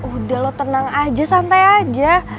udah lo tenang aja santai aja